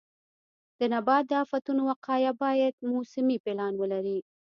د نبات د آفتونو وقایه باید موسمي پلان ولري.